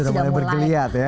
sudah mulai berkelihat ya